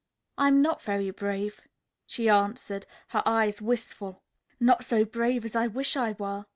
"I'm not very brave," she answered, her eyes wistful. "Not so brave as I wish I were.